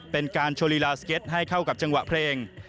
เป็นการโชว์ลีลาสเก็ตให้เข้ากับจังหวะเพลง